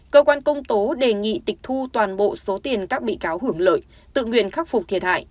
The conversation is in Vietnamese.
cơ quan công tố đề nghị tịch thu toàn bộ số tiền các bị cáo hưởng lợi tự nguyện khắc phục thiệt hại